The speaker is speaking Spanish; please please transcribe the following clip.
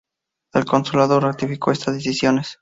El consulado ratificó estas decisiones.